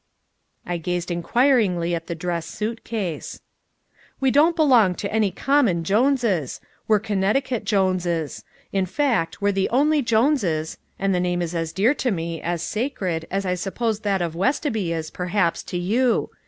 I gazed inquiringly at the dress suit case. "We don't belong to any common Joneses. We're Connecticut Joneses. In fact, we're the only Joneses and the name is as dear to me, as sacred, as I suppose that of Westoby is, perhaps, to you.